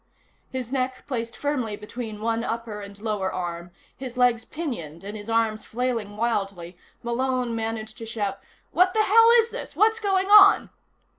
His neck placed firmly between one upper and lower arm, his legs pinioned and his arms flailing wildly, Malone managed to shout: "What the hell is this? What's going on?"